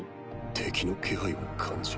敵の気配は感じ。